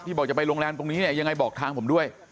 บอกจะไปโรงแรมตรงนี้เนี่ยยังไงบอกทางผมด้วย